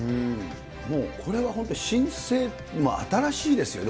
もうこれは本当に新生、新しいですよね。